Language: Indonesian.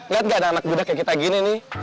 liat gak ada anak budak kayak kita gini nih